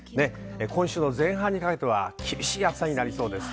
今週の前半にかけては厳しい暑さになりそうです。